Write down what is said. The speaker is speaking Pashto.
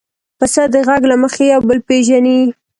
پسه د غږ له مخې یو بل پېژني.